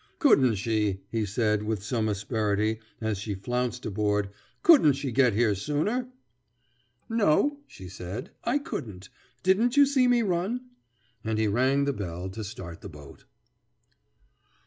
"Couldn't she," he said, with some asperity, as she flounced aboard, "couldn't she get here sooner?" [Illustration: The Village Express.] "No," she said, "I couldn't. Didn't you see me run?" And he rang the bell to start the boat.